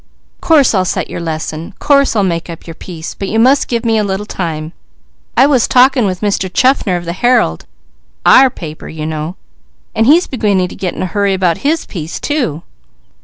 Course I'll set your lesson; course I'll make up your piece, but you must give me a little time. I was talking with Mr. Chaffner of the Herald, our paper you know, and he's beginning to get in a hurry about his piece, too."